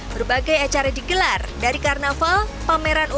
berbagai acara digelar dari karnaval pameran umkm pertempuran dan perjuangan